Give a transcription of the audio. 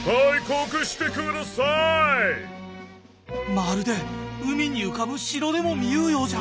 まるで海に浮かぶ城でも見ゆうようじゃ。